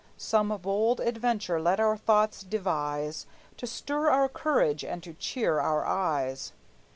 Some bold adventure let our thoughts devise, To stir our courage and to cheer our eyes."